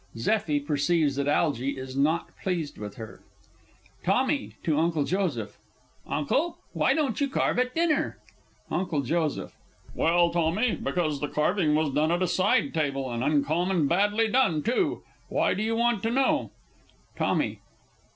[ZEFFIE perceives that ALGY is not pleased with her. TOMMY (to UNCLE JOSEPH). Uncle, why didn't you carve at dinner? UNCLE J. Well, Tommy, because the carving was done at a side table and uncommon badly done, too. Why do you want to know? TOMMY.